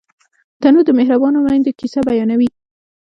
تنور د مهربانو میندو کیسې بیانوي